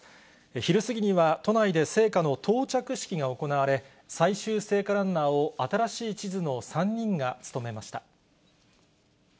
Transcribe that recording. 昼過ぎには、都内で聖火の到着式が行われ、最終聖火ランナーを、新しい地図の３人が務めました。